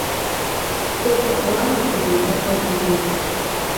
КъолъэӀуам и гузэвэгъуэ дэгъэкӀ.